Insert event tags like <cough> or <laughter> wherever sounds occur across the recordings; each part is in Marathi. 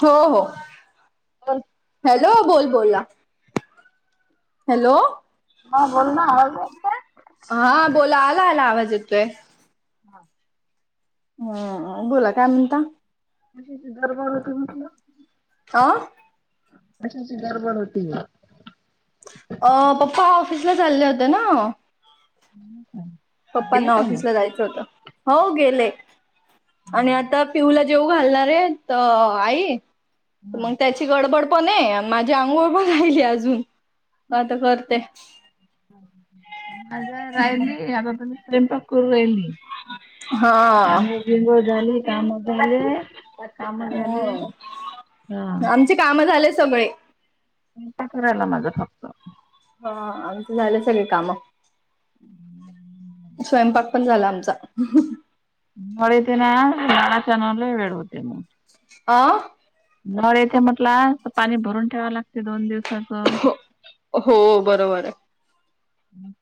हो हो. बोल हॅलो बोल बोला हॅलो. ह बोल ना, आवाज दे. हा बोला आला आला आवाज येतोय. हा. हम् बोला काय म्हणता? त दरबारच म्हटलं <unintelligible> आ अशीच गडबड होती गे. अ पप्पा ऑफिसला चालले होते ना हम् ह <unintelligible> पप्पांना ऑफिसला जायचं होतं हो गेले. आणि आता पिऊला जेऊ घालणार आहे तर आई. तर मग त्याची गडबड पण आहे माझ्या अंघोळ पण राहिली अजून. आता करते. याग <unintelligible> स्वयंपाक करू राहिली हा आंघोळ बिंगोळ झाले काम झालै हो हा आमचे काम झाले सगळे. टाकू राहिला माझं फक्त. हा आमच झालं सगळे काम. हम् <inaudible> स्वयंपाक पण झाला आमचा. नोडीितना बळा चनले भडबते म <unintelligible> आ? नाले येथे म्हटला पाणी भरून ठेवा लागते दोन दिवसाच. हो बरोबर आहे.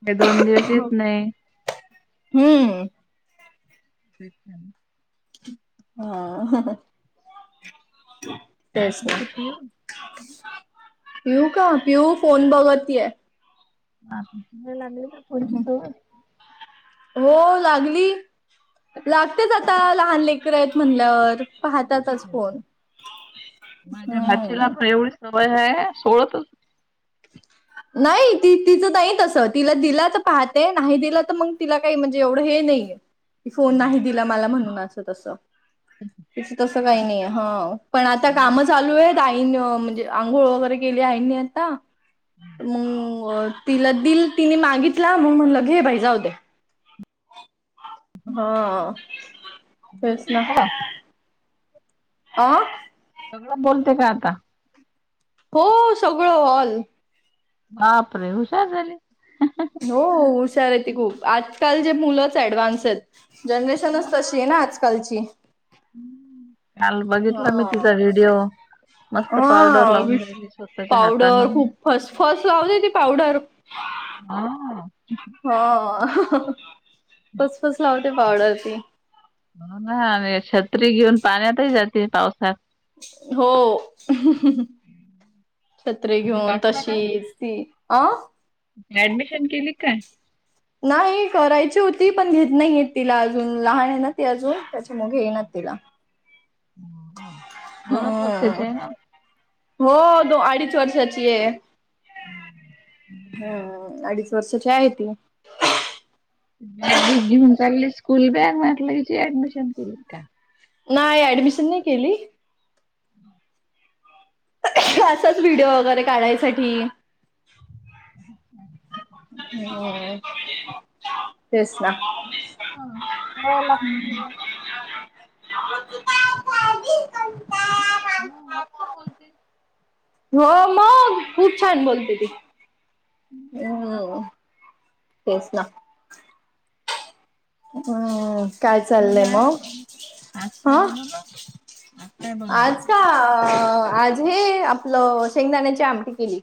का दोन दिवस येत नाही. हम्म. तेच आहे ना? हा काय तेच आहे. करते पिऊ पिऊ का पिऊ फोन बघतेय. ह तिला पण लागली का फोन ची सवय? <unintelligible> हो लागली लागतेच आता लहान लेकर आहेत म्हणल्यावर. पाहतातच सवय फोन माझ्या भाचीला हम्. पण एवढी सवय हाय सोडतच नाही ती तिचं नाही तसं तिला दिला तर पाहते नाही दिलं तर मग तिला काही म्हणजे एवढं हे नाहीय. फोन नाही दिला मला म्हणून असं तस तीच तस काही नाही हा. पण आता हे काम चालू आहेत आईन म्हणजे आंघोळ वगैरे केले आईनी आता. मग तिला दिल तिने मागितला मग म्हणलं घे बाई जाऊ दे. हा तेच बोलते ना. सगळं आं? सगळं बोलते का आता? हो सगळं ऑल. बाप रे हुशार झाली. हो हुशार आहे ती खूप आजकाल जे मुलंच ऍडव्हान्स आहेत. जनरेशनच तशी आहे ना आजकालची. काल बघितलं मी हा तिचा व्हिडिओ. मस्त पावडर हा लावून विस राहिली स्वतःच्या हातानं पावडर खूप फस फस लावते ती पावडर. हा. <unintelligible> हा फस फस लावते पावडर ती. होण ना आणि छत्री घेऊन पाण्यातही जाते पावसात. हो छत्रीे तिला घेऊन टाकला का तशीच ती. आं? ऍडमिशन केली काय? नाही करायची होती, पण घेत नई येत तिला अजून लहान ये ना ती अजून त्याच्यामुळं घेईनात तिला. हम्म हा. हम्म. हो दो अडीच वर्षाची आहे. हो अडीच वर्षाची हाये ती. बॅग घेऊन चालले स्कूल बॅग म्हटल हेची ऍडमिशन केली का? नाही ऍडमिशन नाही केली. असाच व्हिडिओ वगैरे काढायसाठी हो. तेच ना, हो लागते हम्म. तिला म मस्त बोलते. हो मग खूप छान बोलते ती. हम्म तेच ना. अं काय बनवलं आज, आज काय हा बनवलं, आज काय बनवलं? अ आज हे आपलं शेंगदाण्याची आमटी केली.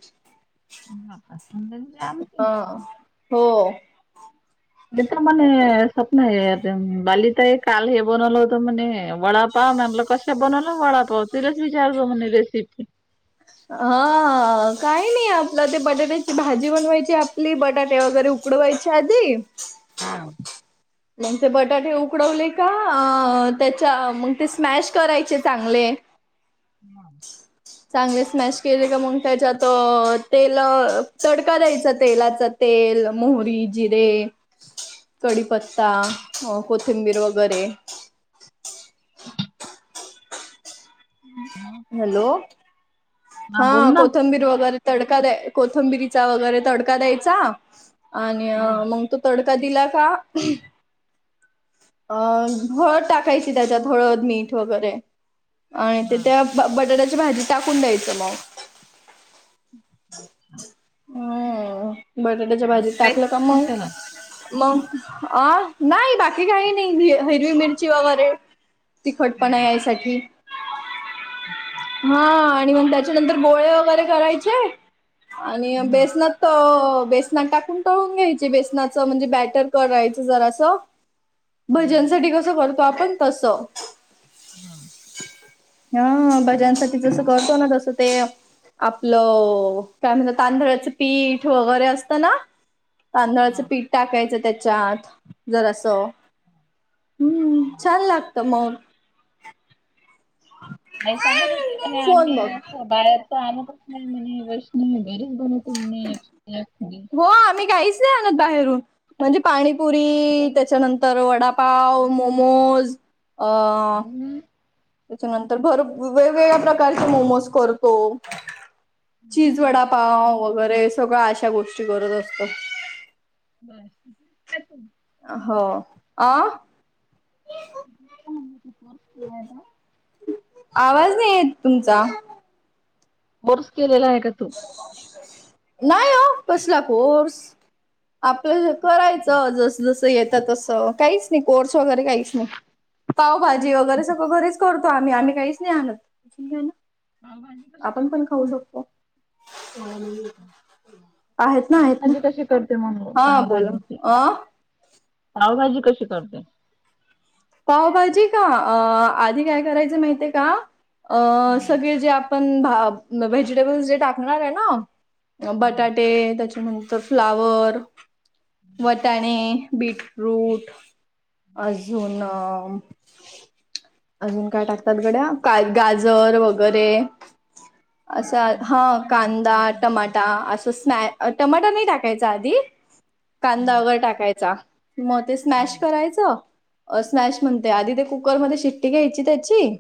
बापा शेंगदाण्याची आमटी. हा हो. मी तर म्हणे स्वप्न <unintelligible> बाली ताई काल हे बनवलं होतं म्हणे वडा पाव म्हणलो कशा बनवला वडापाव तिलेच विचार जो म्हणे रेसिपी. हा काय नई आपलं ते बटाट्याची भाजी बनवायची. आपली बटाटे वगैरे उक कुडवयाची आदी हा. मग ते बटाटे उकडवले का, अ त्याच्या मग ते स्मॅश करायचे चांगले. हा. चांगले स्मॅश केले का मग त्याच्यात, तेल तडका द्यायचा तेलाचा. तेल, मोहरी, जिरे कडीपत्ता मग कोथिंबीर वगैरे. हॅलो. हा बोल ना. कोथंबीर वगैरे तडका द्याय कोथंबिरीचा वगैरे तडका द्यायचा. आणि हा मग तो तडका दिला का अ हळद टाकायची त्याच्यात हळद, मीठ वगैरे आणि ते हा, त्या ब-बटाट्याची भाजी टाकून द्यायचं मग. अच्छा. हम्म बटाट्याच्या भाजीत बाकी काहीच टाकलं का नाही मग त्याला. मग अ नाई बाकी काही नाही हिरवी मिरची वगैरे तिखटपणा हम्म, यायसाठी. हा आणि मग त्याच्यानंतर गोळे वगैरे करायचे आणि हम्म, बेसनात अ बेसनात टाकून तळून घ्यायचे बेसनाच म्हणजे ब्याटर करायच जरासं. हम्म, भजांसाठी कसं कर आपण तसं हम्म. हा भजांसाठी जसं करतो ना, तसं ते आपलं काय म्हणता तांदळाचं पीठ वगैरे असतं ना तांदळाचं हा. पीठ टाकायचं त्याच्यात जरासं. हम्म छान लागतं मग. <inaudible> आई सांगत होती म्हणे फोन बघ आम्ही अस बाहेरचं आणतच नाही म्हणे. वैष्णवी घरीच बनव हो आम्ही काहीच नाही आणत बाहेरून. म्हणजे पाणीपुरी त्याच्यानंतर वडापाव, मोमोज अ घरी. त्याच्यानंतर भर वेगवेगळ्या प्रकारचे मोमोज करतो. चिज वडापाव वगैरे सगळं अशा गोष्टी करत असतो. हम्म हं. हो. आ? हॅलो. आवाज नाही येत तुमचा. बोर्स केलेला हाय का तू? नाही हो कसला कोर्स. आपलं करायचं जस जसं येतं तसं, काहीच नाही कोर्स वगैरे काहीच नाही. पावभाजी वगैरे सगळं घरीच करतो आम्ही, आम्ही काहीच नाही आणत. पावभाजी कशी आपण करते पण खाऊ म्हणून शकतो. <unintelligible> आहेत ना, आहेत ना. पावभाजी कशी करते म्हणे हा पाव बोला भाजी ती, अ पावभाजी कशी करते. पावभाजी का? आधी काय? करायच माहिती आहे का? अ. बर, सगळे जे आप. पण भा व्हेजिटेबल्स जे टाकणारेय ना, बर, बटाटे तेच्या फ्लावर, बर. वटाणे, बिटफ्रुट. अजून. अजून काय? टाकतात. गड्या काय? गाजर, वगैरे. मग असा. शाळेत हा. खूप मिक्स कांदा, भाज्या असतात. टमाटा असा. त स्मॅ टमाटर नाय टाकायचा. आधी कांदा हम्म, वगैरे टाकायचा. म ते स्मॅश हम्म, करायचं. अ.. स्मॅश म्हणते, आधी ते कुकरमध्ये शिट्टी घ्यायची त्याची.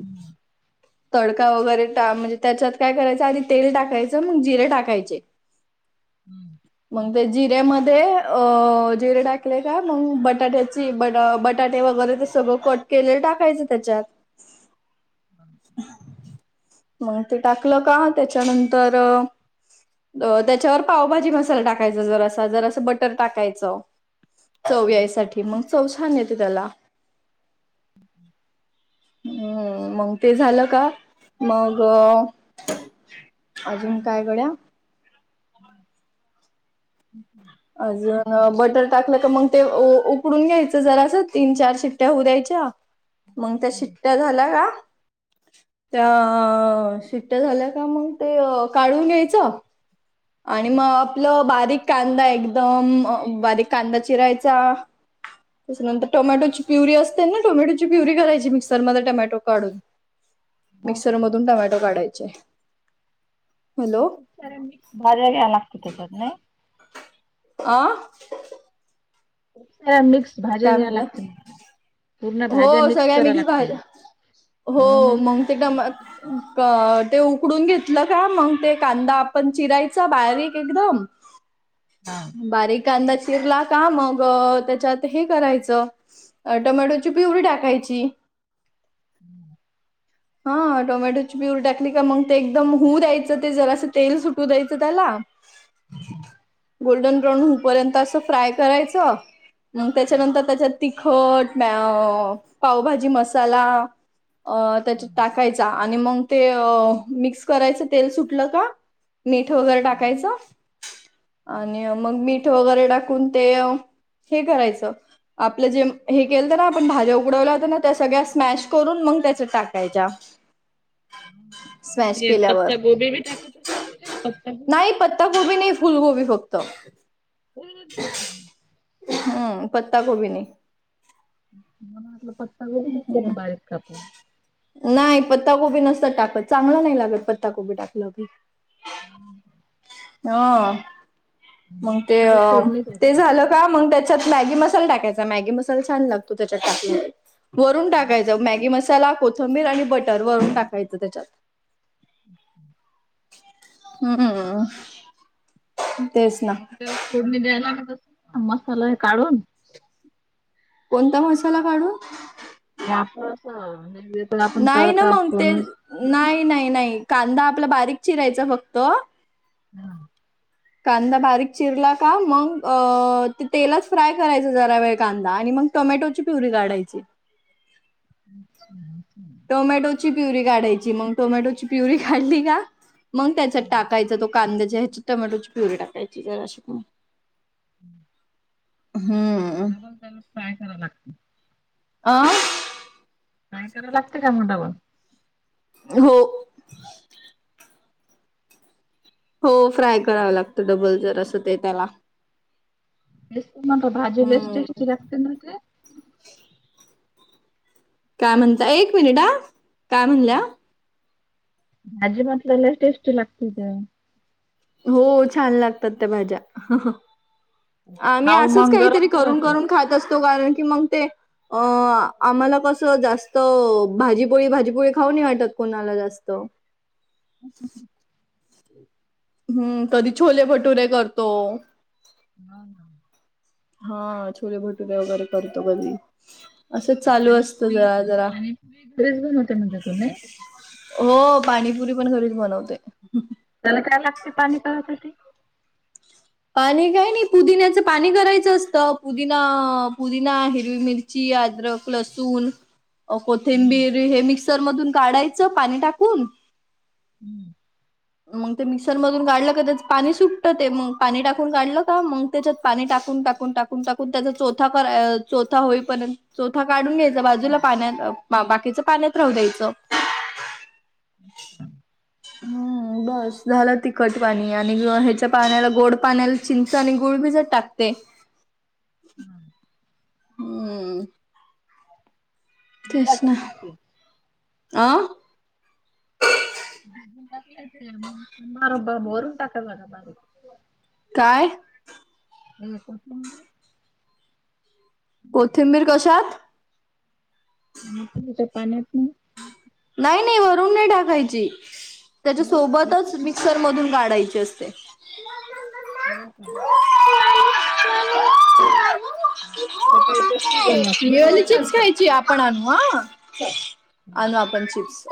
हम्म, तडका वगैरे टा म्हणजे त्याच्यात काय करायचं, आदी तेल टाकायचं मग जिरे टाकायचे. <inaudible> हम्म. मंग ते जिरेमध्ये, अ. जिरे टाकले का? मंग बटाट्याचे ते बटा-बटाटे वगैरे, ते सगळं कट केलेले टाकायचं त्याच्यात. मंग, ते टाकलं का? त्यांच्यानंतर. त्याच्यावर पावभाजी मसाला टाकायचा. जरासा, जरासं बटर टाकायचं. चव यायसाठी मग, चव छान येते त्याला. हंम्म मग, ते झालं का? मग. अजून काय गड्या. <inaudible> अजून बटर टाकलं तर मंग, ते उ उकडून घ्यायचं. जरासं तीन, चार शिट्या होऊ द्यायच्या. मंग त्या शिट्ट्या झाल्या का? त्या... शिट्या झाल्या का? मग ते. अ. काढून घ्यायचं. आणि म आपलं, बारीक कांदा एकदम अ बारीक कांदा चिरायचा. त्याच्यानंतर टोमॅटोची प्युरी असते ना, टोमॅटोची प्युरी करायची मिक्सरमध्ये टोमॅटो काढून. हो मिक्सर हो. मधून टोमॅटो काढायचे. हॅलो खूप साऱ्या मिक्स भाज्या घ्याया लागते, त्याच्यात ने. आं.. <inaudible> खूप सार्‍या मिक्स भाज्या काय घ्यायला म्हणलं लागतील. हो. सगळ्या मिक्स भाज्या. हो मंग ते डम अ ते उकडून घेतलं का मग ते, कांदा आपण चिरायचा बारीक एकदम. हा <inaudible> बारीक. कांदा चिरला का? मग, त्याच्यात हे करायचं टोमॅटो ती प्युरी टाकायची. हं.. हा. टोमॅटोची पियुरी टाकली. का? मंग, ते एकदम होऊ द्यायचं. ते जरासं तेल सुटू द्यायचं त्याला. गोल्डन ब्राउन होऊ पर्यंत, असं फ्राय करायचं. मग त्याच्यानंतर त्यांच्यात, तिखट म्या पावभाजी मसाला. अं.. त्याच्यात टाकायचा आनी मं ते, मिक्स करायचं तेल सुटलं का. मीठ वगैरे टाकायचं, आणि मं मीठ वगैरे टा कोणते? अ. हे करायचं. आपलं जे हे, केलत्या ना, आपण भाज्या उकडवल्या होत्या, ना त्या सगळ्या स्मॅश करून मग त्यात टाकायच्या. स्मॅश ते केल्यावर पत्ता गोभी बी टाकायचं, असते तेच्यात. नाही पत्ता गोबी नाही, फुलकोबी फक्त. गोबी हम्म पत्ता कोबी नाही. मला वाटलं पत्ताकोबीच असेल, बारीक कापून. नाही पत्ताकोबी नसत टाकत, चांगलं नाही लागत पत्ताकोबी टाकलं की. हम्म. आं... मग ते त्याला अं. फोडणी ते द्यायची. झालं. का मग त्याच्यात मॅगी मसाल टाकायचा, मॅगी मसाल छान लागतो त्याच्यात टाकले. वरून टाकायचं, मॅगी मसाला कोथंबीर आणि बटर वरून टाकायचं त्याच्यात. <inaudible> अ हम्म. तेच. ना मग त्याला फोडणी द्यायला लागतं, मसाला हे काढून. कोणता मसाला काढू. <unintelligible> आपण नाही ना तडका मग ते फोडणी. नाही नाही नाही, कांदा आपला बारीक चिरायचा फक्त. हं.. कांदा बारीक चिरला का मग अं.. तेलाच फ्राय करायच जरा वेळ कांदा आणि मग. टोमॅटोची प्युरी काढायची. <unintelligible> टोमॅटोची प्युरी काढायची मग, टोमॅटोची प्युरी काढली कां. मग त्याचा टाकायचा तो, कांद्याची ह्या टोमॅटोची प्युरी टाकायची जराशी. हम्म डब्बल त्याला फ्राय करावं लागतं. आं. नाही कराला लागते का मोठा पण. हो. हो डबल फ्राय करावं लागतो, डब्बल जरासं ते त्याला. <unintelligible> भाजी बेस्ट हम्म टेस्टी लागते म्हणते. काय म्हणता, एक मिनिट हां काय म्हणल्या? भाजी मधल्या ला टेस्ट लागत तं. हो छान लागतात, त्या भाज्या. आम्ही पाव असंच मग काहीतरी गरम करून करायचे. करून खात असतो. कारण की मग ते, अ आम्हाला कसं जास्त भाजी पोळी, भाजी पोळी खाऊ नाही वाटत कुणाला जास्त. ऍ <inaudible> हम्म. कधी छोले भटूरे करतो. हां. हां. हां.. छोले भटुरे वगैरे करतो कधी. असंच चालू असतं जरा जरा <unintelligible> हो पाणीपुरी पण घरीच बनवतोय. त्याला काय लागते पाणी पाजायसाठी? पाणी काय नाही पुदिन्याचं पाणी करायचं असतं, पुदिना पुदिना हिरवी मिरची. ची अद्रक लसूण. हम्म. कोथिंबीर हे मिक्सर मधून काढायचं पाणी टाकून. हम्म. मग ते मिक्सर मधून काढलं का त्याच पाणी सुटतं ते, मग पाणी टाकून काढलं का मग त्याच्यात पाणी टाकून टाक कून टाकून टाकून त्याचा चोथा पर चोथा होईपर्यंत चोथा काढून घ्यायचं. बाजूला पाण्यात बाकीच, पाण्यात राहू द्यायचं. <inaudible> हम्. बस झालं तिखट पाणी, आणि हेच्या पाण्याला गोड पाण्याला चिंच आणि गुळ भी भिजत टाकते. हम. हम्म. तेच जाते ना मग ते आं <inaudible> मार बा बरून टाकल माझ्या बारी. काय <unintelligible> कोथिंबीर कशात आणि पु च्या पाण्यातन. नाही नाही वरून नाही टाकायची त्याच्या मग सोबतच मिसळून मिक्सर मधून गाढायची अस ते हो का? <unintelligible> कढई स्पेशल बनवायची ना मेली चिप्स वेगळी खायची आप पण आणू हा आणू आपण चिप्स.